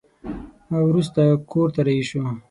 وروسته کور ته رهي شوه.